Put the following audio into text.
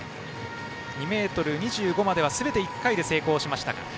２ｍ２５まではすべて１回で成功しました。